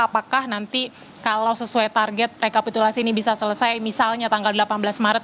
apakah nanti kalau sesuai target rekapitulasi ini bisa selesai misalnya tanggal delapan belas maret